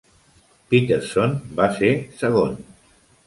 Peterson va ser segon.